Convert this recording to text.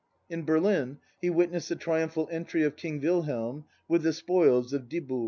In Berlin he witnessed the trium phal entry of King William, with the spoils of Dybbol.